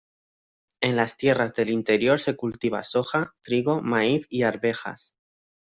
En las tierras del interior se cultiva soja, trigo, maíz y arvejas.